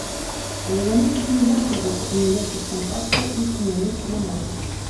Але яны тут не знаходзяцца і ніякіх кантактаў іх у мяне няма.